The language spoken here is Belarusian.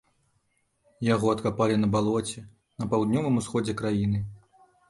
Яго адкапалі на балоце на паўднёвым усходзе краіны.